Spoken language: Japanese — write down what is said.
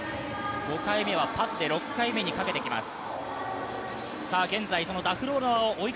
５回目はパスで６回目にかけてきました。